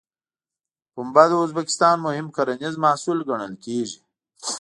پنبه د ازبکستان مهم کرنیز محصول ګڼل کېږي.